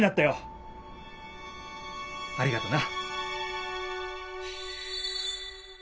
ありがとな。